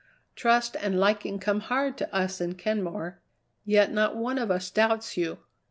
Trust and liking come hard to us in Kenmore, yet not one of us doubts you.